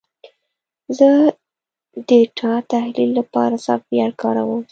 زه د ډیټا تحلیل لپاره سافټویر کاروم.